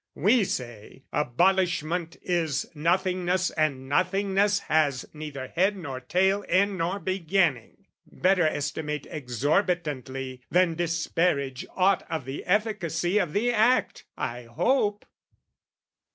We say, abolishment is nothingness And nothingness has neither head nor tail End nor beginning; better estimate Exorbitantly, than disparage aught Of the efficacity of the act, I hope!